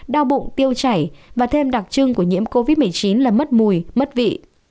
đau bụng tiêu chảy và thêm đặc trưng của nhiễm covid một mươi chín là mất mùi mất vị